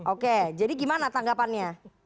oke jadi gimana tanggapannya